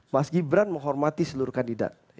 mas gibran menghormati seluruh kandidat